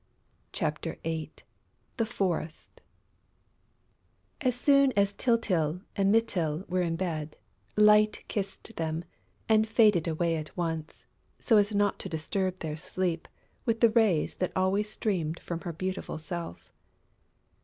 CHAPTER VIII THE FOREST As soon as Tyltyl and Mytyl were in bed, Light kissed them and faded away at once, so as not to disturb their sleep with the rays that always streamed from her beautiful self.